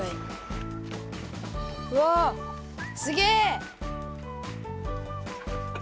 うわすげえ！